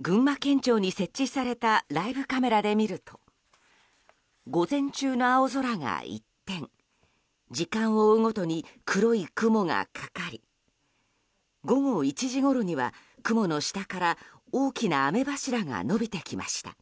群馬県庁に設置されたライブカメラで見ると午前中の青空が一転時間を追うごとに黒い雲がかかり午後１時ごろには雲の下から大きな雨柱が延びてきました。